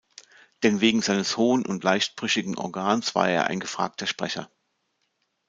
Denn wegen seines hohen und leicht brüchigen Organs war er ein gefragter Sprecher.